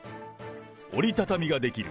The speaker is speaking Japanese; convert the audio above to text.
折り畳みができる